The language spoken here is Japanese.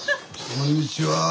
こんにちは。